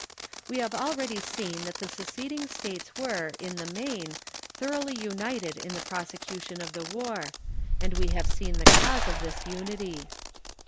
We have already seen that the seceding States were, in the main, thoroughly united in the prosecution of the war, and we have seen the cause of this unity.